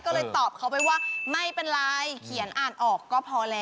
ก็เลยตอบเขาไปว่าไม่เป็นไรเขียนอ่านออกก็พอแล้ว